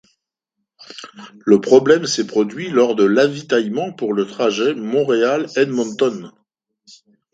Le problème s'est produit lors de l'avitaillement pour le trajet Montréal-Edmonton.